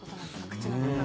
口の中が。